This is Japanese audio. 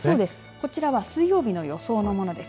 こちらは水曜日の予想のものです。